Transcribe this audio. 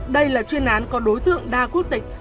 đây là chuyên án có đối tượng đa quốc tịch